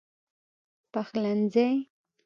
پخلنځی